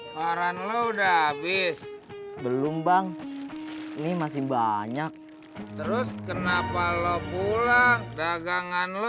hara lega habis belum bang masih banyak national